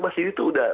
mas didi tuh udah